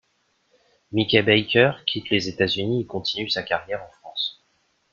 Mickey Baker quitte les États-Unis et continue sa carrière en France.